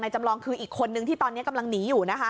จำลองคืออีกคนนึงที่ตอนนี้กำลังหนีอยู่นะคะ